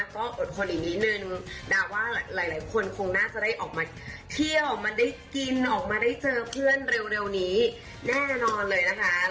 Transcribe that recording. ก็อดทนอีกนิดนึงดาว่าหลายคนคงน่าจะได้ออกมาเที่ยวมาได้กินออกมาได้เจอเพื่อนเร็วนี้แน่นอนเลยนะคะ